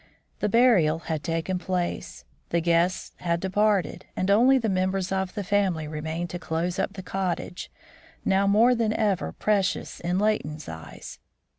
The burial had taken place, the guests had departed, and only the members of the family remained to close up the cottage, now more than ever precious in Leighton's eyes.